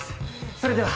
それでは。